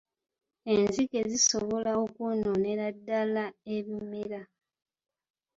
Enzige zisobola okwonoonera ddala ebimera.